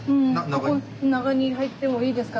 ここ中に入ってもいいですか？